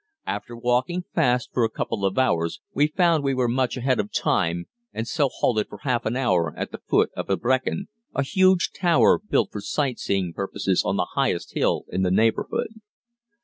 After walking fast for a couple of hours we found we were much ahead of time and so halted for half an hour at the foot of the Brechen, a huge tower built for sight seeing purposes on the highest hill in the neighborhood.